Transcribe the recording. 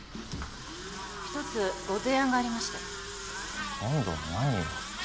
一つご提案がありまして今度は何よ